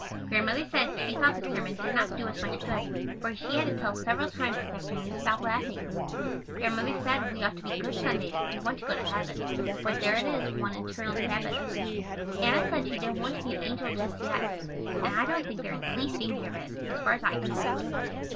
Grandmother said she thought the sermon did not do us much good for she had to tell us several times this afternoon to stop laughing. Grandmother said we ought to be good Sundays if we want to go to heaven, for there it is one eternal Sabbath. Anna said she didn't want to be an angel just yet and I don't think there is the least danger of it, as far as I can judge.